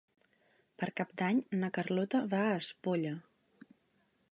Per Cap d'Any na Carlota va a Espolla.